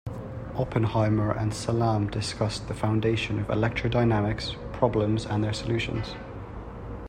Oppenheimer and Salam discussed the foundation of electrodynamics, problems and their solution.